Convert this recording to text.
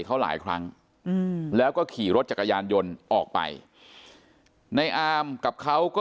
เขาหลายครั้งแล้วก็ขี่รถจักรยานยนต์ออกไปในอามกับเขาก็